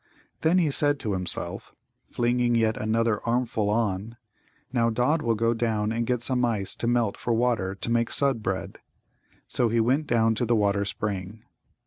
Then he said to himself, flinging yet another armful on: "Now Nod will go down and get some ice to melt for water to make Sudd bread." So he went down to the water spring.